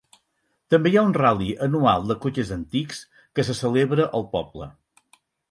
També hi ha un ral·li anual de cotxes antics que se celebra al poble.